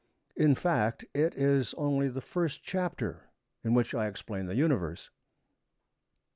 In fact it is only the first chapter, in which I explain the Universe.'